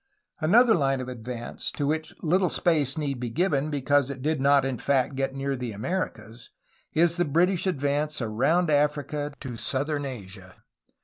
Another line of advance to which little space need be given, because it did not in fact get near the Americas, is the British advance around Africa to southern Asia.